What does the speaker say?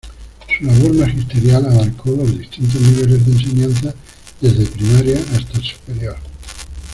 Su labor magisterial abarcó los distintos niveles de enseñanza desde primaria hasta superior.